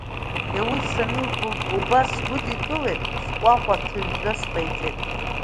Иауз саниба убас сгәыдикылеит, сҟәаҟәа ҭыжәжәа сҟаиҵеит.